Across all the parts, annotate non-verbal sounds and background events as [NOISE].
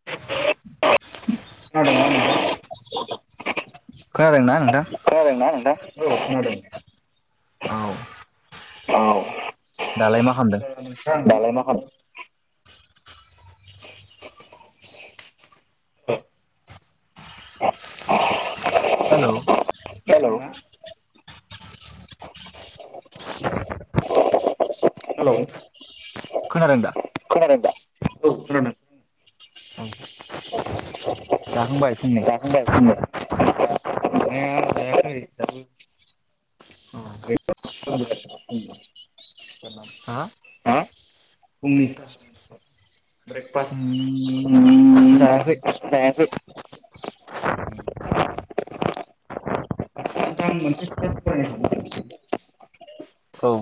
[INAUDIBLE] खोनादोंना नोंथां। खोनादोंना नोंथां? औ खोनादों। औ। औ। दालाय मा खामदों? [UNINTELLIGIBLE] दालाय मा खाम [UNINTELLIGIBLE] हेल'। हेलौ खोनादों दा। खोनादों दा? औ खोनादों। जाखांबाय फुंनि जाखांबाय फुंनि? [INAUDIBLE] जानाया जायाखै दाबो [UNINTELLIGIBLE] हा हा फुंनि [INAUDIBLE] ब्रेकफास्ट फुंनि जायाखै। जायाखै। नोंथां मोनसे खोथा सावरायनो सानदों। औ।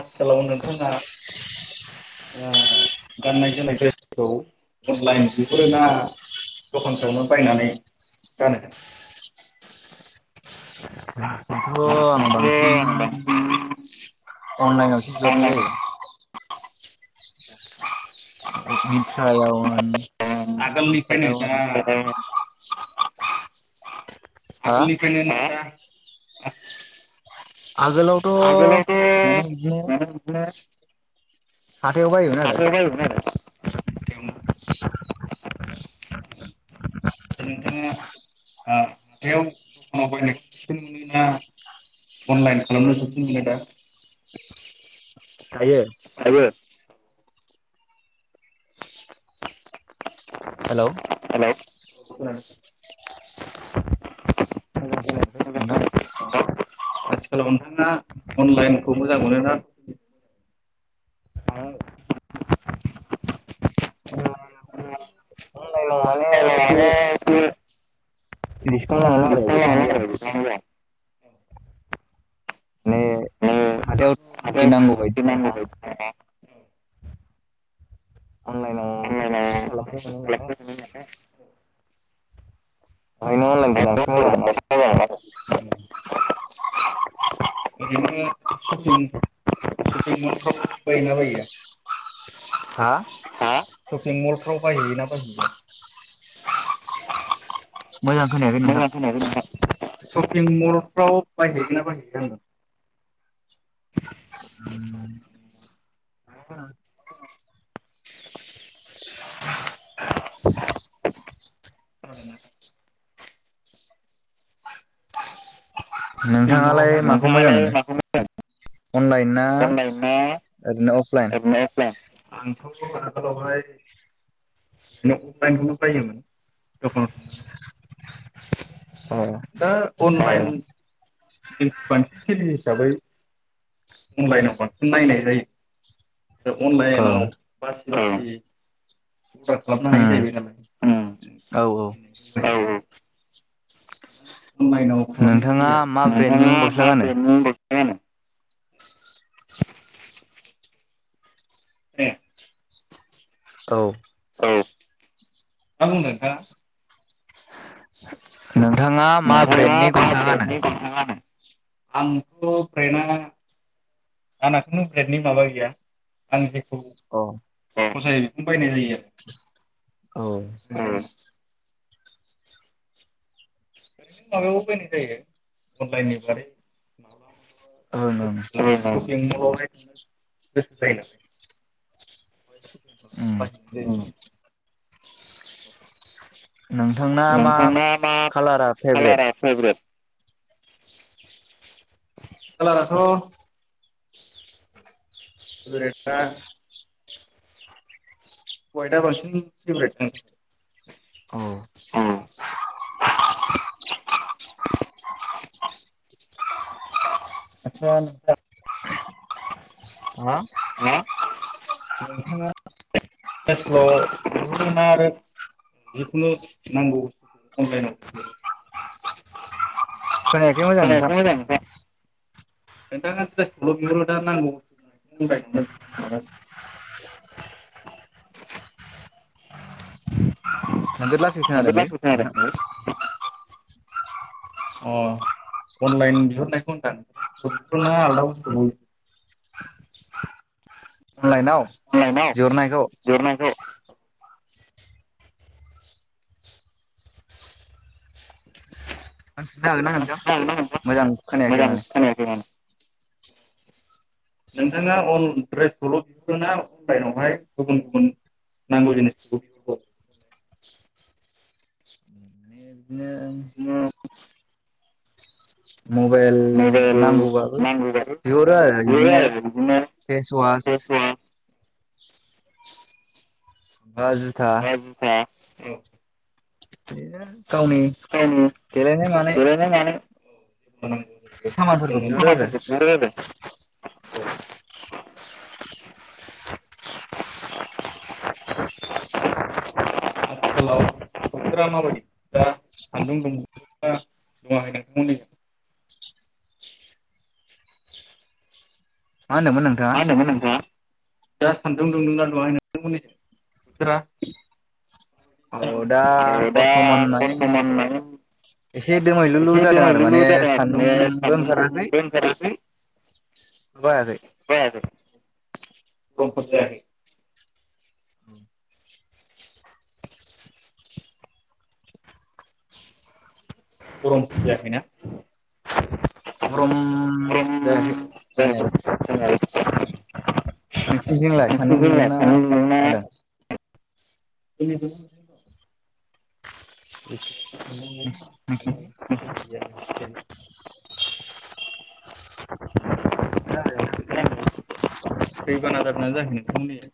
आथिखालाव नोंथाङा ओ गाननाय जोमनाय खौ बेवनो बायनानै। गानो? बेखौ आं बांसिन बिदिनो आं बांसिन मायनावसो बिहरनाय जायो। [UNINTELLIGIBLE] आगोलनिफ्रायनो फ्लिपकार्टआव होन ना। [INAUDIBLE] हा आगोलनिफ्रायनो ना [INAUDIBLE] आगोलावथ' माने बिदिनो माने बिदिनो हाथायाव बायोमोन आरो हाथायाव बायोमोन आरो दा नोंथाङा ओ हाथायाव दखानाव बायनायखौ साबसिन मोनो ना अनलाइन खालामनो साबसिन मोनोदा दायो आइबो हेल' हेलौ खोनायासै नोंथां आथिखालाव नोंथाङा अनलाइनखौ मोजां मोनोना अनलाइनाव माने अनलाइनाव एसे माने एसे डिसकाउन्ट मोनो [UNINTELLIGIBLE] आरो हाथायावथ ओरैनो जेरै नांगौबायदि [UNINTELLIGIBLE] अनलाइनावथ' सार्च खालामनो शपिं [UNINTELLIGIBLE] शपिं मलफ्राव बायोना बायो? हा बेंगलफ्राव बायहैयोना बायहैया मोजां खोनायाखै नोंथां सपिं मलफ्राव बायहैगोन ना बायहैया होन्दां खोनादोंना? नों शपिं थाङालाय मलावहाय माखौ मोजां नोंथाङालाय मोनो माखौ अनलाइन ना अनलाइन ना ओरैनो अफलाइन ओरैनो अफलाइन? आंथ' आगोलावहाय ओरैनो अफलाइनखौनो बायोमोन दखानाव थांनानै। अ दा अनलाइन जों बांसिन हिसाबै अनलाइनाव बांसिन नायनाय जायो ओ औ अनलाइनाव बासि बासि अर्डार खालामनो उम हायो जाहैबाय नालाय उम औ औ फसायनाय औ औ अनलाइनाव [UNINTELLIGIBLE] खालामनाय नोंथाङा जायो मा आरो ब्रेन्डनि नोंथाङा गस्ला मा गानो ब्रेन्डनि [INAUDIBLE] ए औ औ मा बुंदों नोंथाङा नोंथाङा मा ब्रेन्डनि [INAUDIBLE] आंथ' गस्ला गानो ब्रेन्डआ आंनाथ' ब्रेन्डनि माबा गैया आं जे उम अ फसायो बेखौनो बायनाय जायो औ माबायाव बायनाय जायो अनलाइननि दारै प ओं उम [UNINTELLIGIBLE] ् [UNINTELLIGIBLE] [INAUDIBLE] [UNINTELLIGIBLE] [INAUDIBLE] नोंथांना मा कालारा फेभरेट कालारा फेभरेट? खालाराथ' गोथां वाइटआ बांसिन भेबरेट आंनि। औ [UNINTELLIGIBLE] आदसा नोंथां हा [UNINTELLIGIBLE] अनलाइनाव खोनायाखै मोजां नोंथां। [UNINTELLIGIBLE] नोगोद लासिंसिं आरोलै लासै खोनादों। नोंथां। अ अनलाइन बिहरनायखौ होनदां ना आलदा बुस्तुबो लाइनाव बिहरनायखौ बिहरनायखौ ना हागोनना नोंथां मोजां मोजां खोनायाखै माने खोनायाखै माने नोंथाङा अन ड्रेसखौल' बिहरोना अनलाइनावहाय गुबुन गुबुन नांगौ जिनिसखौबो बिहरबावो [INAUDIBLE] माने बिदिनो [UNINTELLIGIBLE] मबाइल मबाइल नांगौबाबो नांगौ जायो बिहरो आरो बिहरो बिदिनो बिदिनो फेसवास दस्रा आ जुथा औ दिनो गावनि देलायनाय मानाय देलायनाय [UNINTELLIGIBLE] बिहरो आरो सामानफोरखौ मा बिहुरो आरो [UNINTELLIGIBLE] थोरामाबायदि दुङाखै नोंथांमोननिजों मा होनदोंमोन नोंथाङा? मा होनदोंमोन नोंथाङा? दा सान्दुं दुंदोंना दुङाखै नोंथांमोननिजों बोथोरा? औ दा आरो दा बरथमान माने बर्थमान माने एसे दोमैलुलु जादों आरो माने सान्दुंबो ओंखाराखै [UNINTELLIGIBLE] बायाखै [UNINTELLIGIBLE] उम गरमफोर जायाखैना? गरम गरम जायाखै जायाखै जानायालाय नोंसिनिजोंलाय सान्दुं जोंना दुंदोंना सान्दुं दुंना मादों? [UNINTELLIGIBLE] [UNINTELLIGIBLE] दैबाना [UNINTELLIGIBLE] खोनादोंदे दैबाना जादोंना जायाखै नोंथांमोननिजाय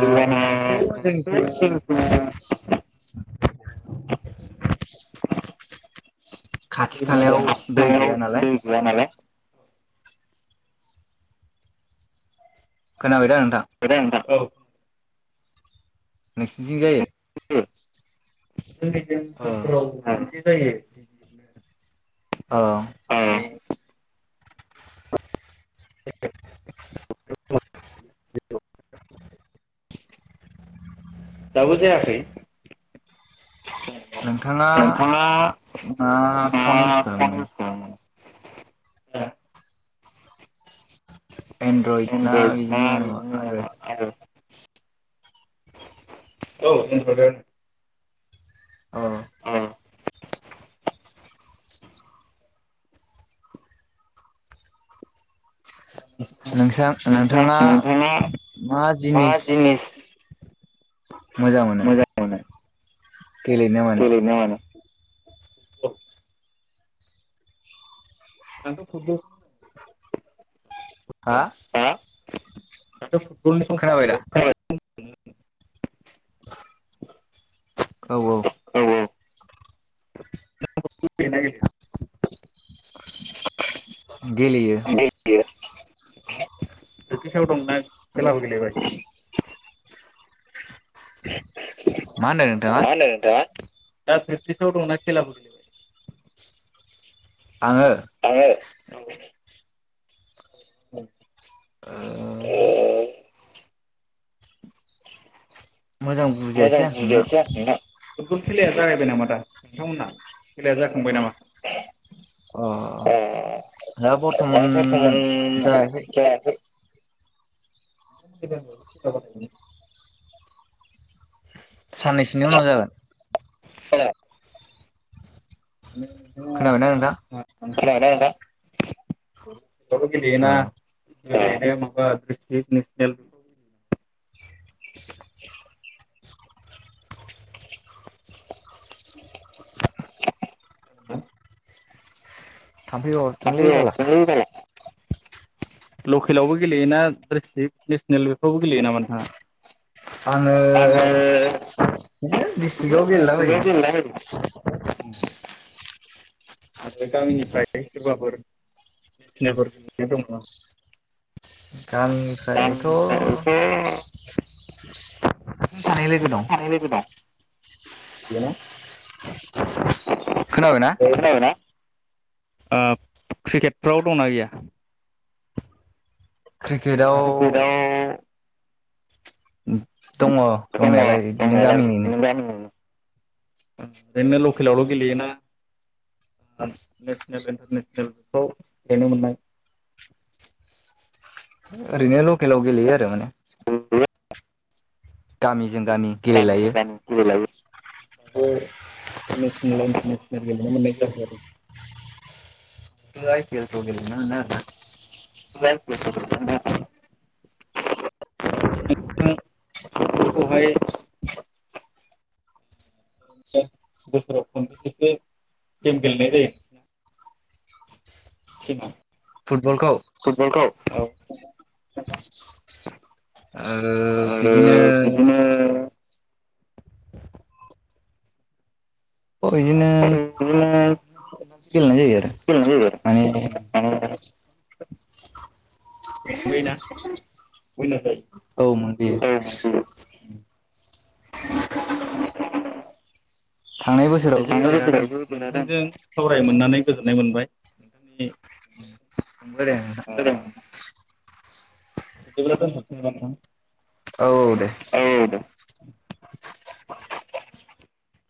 दैबाना जोंनिथिं खाथि दै बाना खालायाव जायानामा खाथि दै खालायाव गैया नालाय दै गैयानालाय खोनाबायदां [UNINTELLIGIBLE] नोंसोरनिथिं जायो। [UNINTELLIGIBLE] औ [UNINTELLIGIBLE] जायो अ औ [UNINTELLIGIBLE] दाबो जायाखै नोंथाङा नोंथाङा मा फन इउस खालामोमोन? हो एन्दरइद ना एनड्रइड बिदिनो [UNINTELLIGIBLE] माबा आरो औ दोनथ'दो अ औ नोंसां नोंसा नोंथाङा नोंथाङा मा जिनिस मोजां मोनो गेलेनो माने औ आं फुटबल हा [INAUDIBLE] खोनाबाय दा [UNINTELLIGIBLE] [INAUDIBLE] औ औ फैलायबाय गेलेना गेलेयो गेलेया प्रेक्टिसाव दंना खेलाबो गेलेबाय मा [INAUDIBLE] मा होनदों नोंथाङा? होनदों नोंथाङा? दा प्रेकटिसाव दंना खेलाबो गेले [INAUDIBLE] आङो? औ। औ। ओ मोजां मोजां मोजां बुजियासै आं नोंथां बुजियासै आं नोंथां। पुटबल खेलाया जागायबाय नामा दा नोंथांमोना खेलाया जाखांबाय नामा? अ ए दा दा बर्थमान बरथमान जायाखै। जायाखै। [INAUDIBLE] साननैसोनि उनाव जागोन। अ। खोनाबायना नोंथां? [UNINTELLIGIBLE] खोनाबायना नोंथां? [UNINTELLIGIBLE] गेलेयोना [UNINTELLIGIBLE] थाम्फै हरदोंलै बाला। लकेलावबो गेलेयोना डस्ट्रिक नेसनेल बेफ्रावबो गेलेयोनामा नोंथाङा? आङो बिदिनो डिस्ट्रिक्टआव दिस्ट्रिक्आव गेलेला बायो। गेलेलाबायो आरो गामिनिफ्राय सोरबाफोर नेसनेलफोर गेलेनो दङ नामा? आं गामिनिफ्रायथ' एसे सानै लोगो दं सानै लोगो दं। बियो खोनाबायना? [UNINTELLIGIBLE] आरोना ओप क्रिकेटफ्राव दंना गैया? क्रिकेटआव क्रिकेदाव ओम दंङ दङ दंनायालाय इदिनो दंनायालाय गामिनिनो। बिदिनो गामिनिनो। ओरैनो लकेलावल' गेलेयोना नेसनेल इन्टारनेसनेलफ्राव गेलेनो मोननाय ओरैनोल' खेलाव गेलेयो आरो माने गामि जों गामि गामिजों गेलेलायो गामि गेलेलायो। नेसनेल इन्टारनेसनेल गेलेनो मोननाय जाबाय आरो। [UNINTELLIGIBLE] [UNINTELLIGIBLE] टिमा फुटबलखौ। फुटबलखौ? औ ओ आरो बिदिनो बिदिनो इदिनो बिदिनो गेलेनाय जायो आरो माने [INAUDIBLE] [UNINTELLIGIBLE] ओम औ मोनबोयो ओम। [INAUDIBLE] थांनाय [UNINTELLIGIBLE] बोसोरावबो सावराय देरहादों मोननानै गोजोननाय मोनबाय। नोंथांनि औ दे नोंथां। [UNINTELLIGIBLE] औ दे। औ [INAUDIBLE]